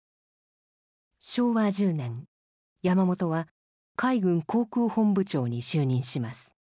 昭和１０年山本は海軍航空本部長に就任します。